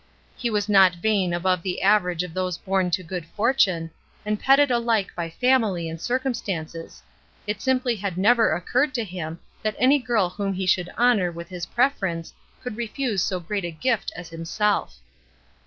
He was not vain above the average of those born to good fortune, and petted ahke by family and circumstances; it simply had never occurred to him that any girl whom he should honor with his preference could refuse so great a gift as himself.